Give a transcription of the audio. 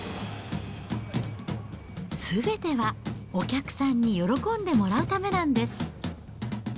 すべてはお客さんに喜んでもらうためなんです。